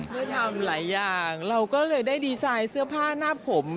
ได้ทำหลายอย่างเราก็เลยได้ดีไซน์เสื้อผ้าหน้าผม